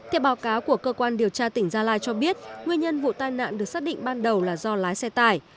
theo báo cáo của cơ quan điều tra tỉnh gia lai cho biết nguyên nhân vụ tai nạn được xác định ban đầu là do lái xe tải